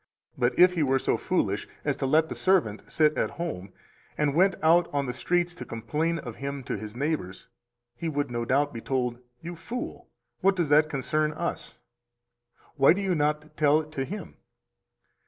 But if he were so foolish as to let the servant sit at home, and went on the streets to complain of him to his neighbors, he would no doubt be told: "You fool, what does that concern us? 278 Why do you not tell it to him?"